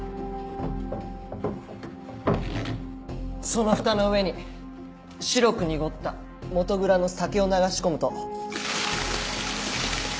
その蓋の上に白く濁った元蔵の酒を流し込むと。